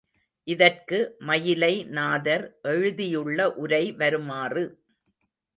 இதற்கு மயிலை நாதர் எழுதியுள்ள உரை வருமாறு.